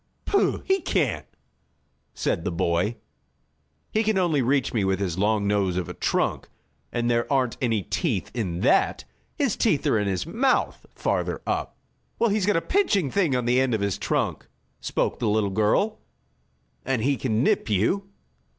"Pooh! He can't!" said the boy. "He can only reach me with his long nose of a trunk, and there aren't any teeth in that. His teeth are in his mouth, farther up." "Well, he's got a pinching thing on the end of his trunk," spoke the little girl, "and he can nip you."